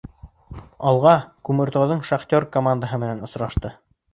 «Алға» Күмертауҙың «Шахтер» командаһы менән осрашты.